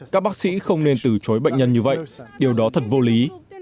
các bác sĩ không nên từ chối bệnh nhân như vậy điều đó thật vô lý